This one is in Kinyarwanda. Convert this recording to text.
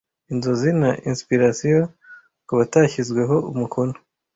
Inzozi na inspirations kubatashyizweho umukono